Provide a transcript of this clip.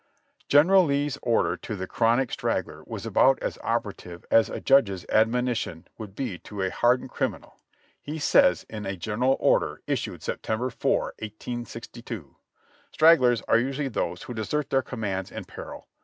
General Lee's order to the chronic straggler was about as operative as a judge's admonition would be to a hardened crimi nal. He says in a general order issued September 4, 1862 : "Stragglers are usually those who desert their comrades in peril.